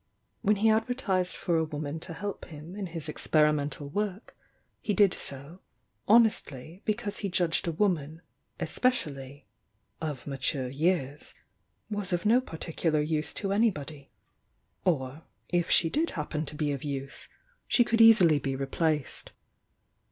When he advertised for u woman to help him in his experimental work, he did so, honestly because he judged a woman, especially "of mature years," was of no particular use to anybody, or, if she did happen to be of use, she could easily be re THE YOUNG DIANA 187 placed.